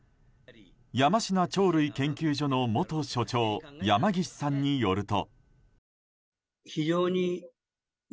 山階鳥類研究所の元所長山岸さんによると。